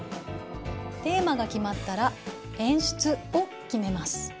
テーマが決まったら演出を決めます。